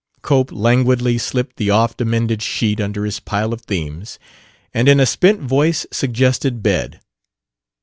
Cope languidly slipped the oft amended sheet under his pile of themes and in a spent voice suggested bed.